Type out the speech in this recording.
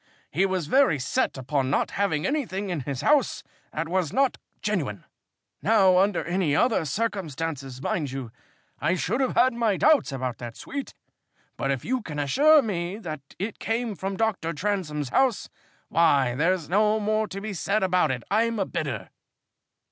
He was very set upon not having anything in his house that was not genuine. Now under any other circumstances, mind you, I should have had my doubts about that suite, but if you can assure me that it came from Dr. Transome's house, why, there's no more to be said about it. I'm a bidder."